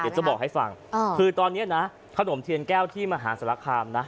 เดี๋ยวจะบอกให้ฟังเออคือตอนเนี่ยนะขนมเทียนแก้วที่มหาสรคามนะ